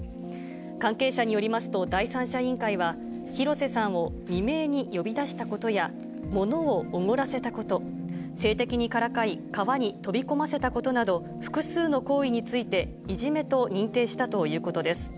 関係者によりますと、第三者委員会は、廣瀬さんを未明に呼び出したことや、ものをおごらせたこと、性的にからかい川に飛び込ませたことなど、複数の行為について、いじめと認定したということです。